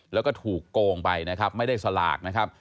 แล้วก็ถูกโกงไปนะครับไม่ได้สลากนะครับ